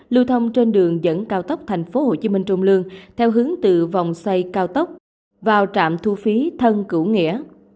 lưu thông trên đường dẫn cao tốc tp hcm trung lương theo hướng từ vòng xây cao tốc vào trạm thu phí thân cửu nghĩa